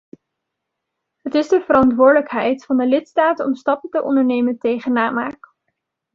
Het is de verantwoordelijkheid van de lidstaten om stappen te ondernemen tegen namaak.